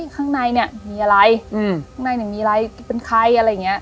ข้างในเนี่ยมีอะไรข้างในเนี่ยมีอะไรเป็นใครอะไรอย่างนี้